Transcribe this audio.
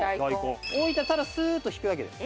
置いてただスーッと引くだけです。